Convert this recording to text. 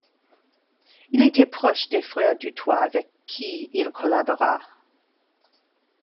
Il était proche des Frères Duthoit avec qui il collabora.